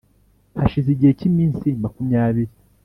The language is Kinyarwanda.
hashize igihe cy iminsi makumyabiri